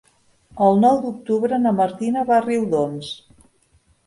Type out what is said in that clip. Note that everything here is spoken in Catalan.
El nou d'octubre na Martina va a Riudoms.